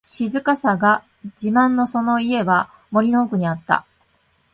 静かさが自慢のその家は、森の奥にあった。